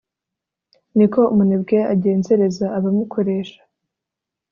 ni ko umunebwe agenzereza abamukoresha